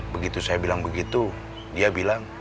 begitu saya bilang begitu dia bilang